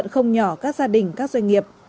cây này không nhỏ các gia đình các doanh nghiệp